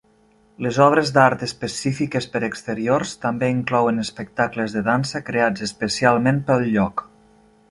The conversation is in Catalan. Les obres d'art específiques per exteriors també inclouen espectacles de dansa creats especialment pel lloc.